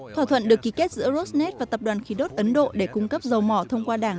thỏa thuận được ký kết giữa rosnet và tập đoàn khí đốt ấn độ để cung cấp dầu mỏ thông qua đảng